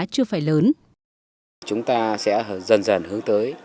chúng ta sẽ dần dần hướng tới